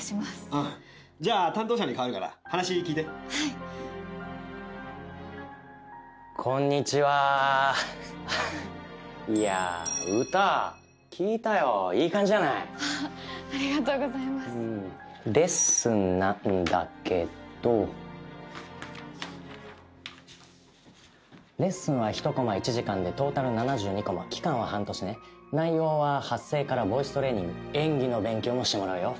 うんじゃあ担当者に替わるから話聞いてはいこんにちはーいやー歌聴いたよいい感じじゃないありがとうございますレッスンなんだけどレッスンは１コマ１時間でトータル７２コマ期間は半年ね内容は発声からボイストレーニング演技の勉強もしてもらうよ